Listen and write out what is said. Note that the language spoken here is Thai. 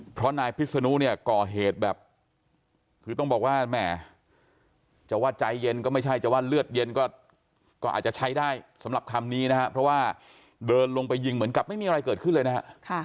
เพราะนายพิษนุเนี่ยก่อเหตุแบบคือต้องบอกว่าแหมจะว่าใจเย็นก็ไม่ใช่จะว่าเลือดเย็นก็อาจจะใช้ได้สำหรับคำนี้นะครับเพราะว่าเดินลงไปยิงเหมือนกับไม่มีอะไรเกิดขึ้นเลยนะฮะ